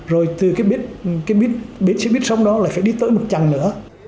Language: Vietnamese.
rồi từ cái biến xe buýt sông đó là phải đi tới một chặng nữa